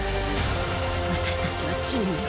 私たちはチームよ。